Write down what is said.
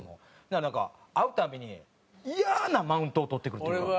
だからなんか会うたびにイヤなマウントを取ってくるというか。